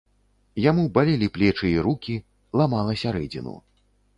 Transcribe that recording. Яму балелі плечы і рукі, ламала сярэдзіну.